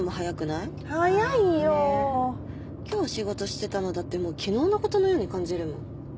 今日仕事してたのだってもう昨日のことのように感じるもん。